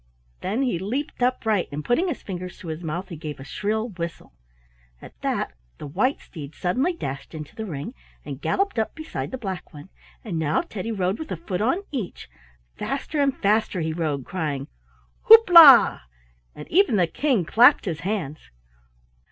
Then he leaped upright, and putting his fingers to his mouth he gave a shrill whistle. At that the white steed suddenly dashed into the ring and galloped up beside the black one, and now Teddy rode with a foot on each. Faster and faster he rode, crying "Houp la!" and even the King clapped his hands.